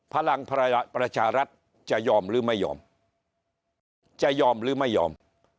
พลังประชารัฐจะยอมหรือไม่ยอมจะยอมหรือไม่ยอม